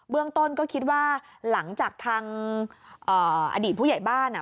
เรื่องต้นก็คิดว่าหลังจากทางอดีตผู้ใหญ่บ้านอ่ะ